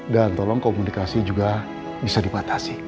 dan tolong komunikasi juga bisa dipatasi